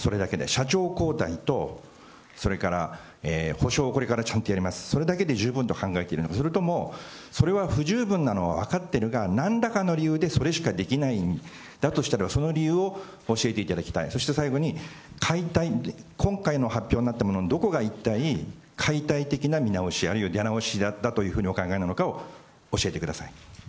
社長交代と、それから補償、これからちゃんとやります、それだけで十分と考えているのか、それとも、それは不十分なのは分かってるが、なんらかの理由でそれしかできないんだとしたら、その理由を教えていただきたい、そして最後に、解体、今回の発表になったもの、一体どこが解体的な見直し、あるいは出直しだというふうにお考えなのかを教えてください。